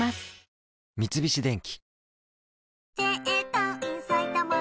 三菱電機